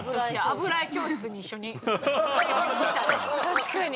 確かに。